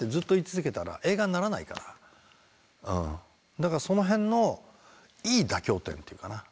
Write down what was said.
だからそのへんの良い妥協点っていうかな